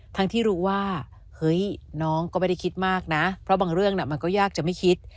ทั้งที่รู้ว่าเฮ้ยน้องก็ไม่ได้คิดมากนะเพราะบางเรื่องมันก็ยากจะไม่คิด